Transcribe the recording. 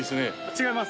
違います？